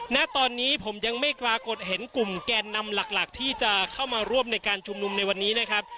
ณตอนนี้ผมยังไม่ปรากฏเห็นกลุ่มแกนนำหลักที่จะเข้ามาร่วมในการชุมนุมในวันนี้นะครับ